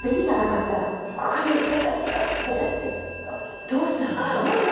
お父さんすごいね！